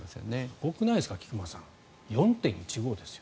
すごくないですか菊間さん４．１５％ですよ。